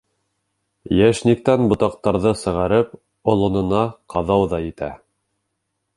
Йәшниктән ботаҡтарҙы сығарып, олонона ҡаҙау ҙа етә.